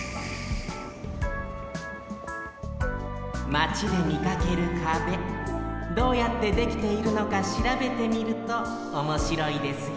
マチでみかける壁どうやってできているのかしらべてみるとおもしろいですよ